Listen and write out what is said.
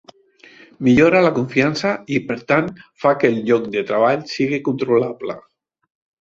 Millora la confiança i, per tant, fa que el lloc de treball sigui controlable.